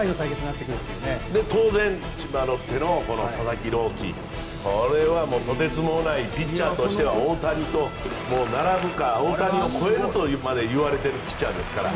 当然千葉ロッテの佐々木朗希もとてつもないピッチャーとしては大谷と並ぶか大谷を超えるとまでいわれているピッチャーですから。